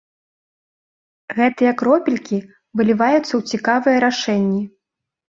Гэтыя кропелькі выліваюцца ў цікавыя рашэнні.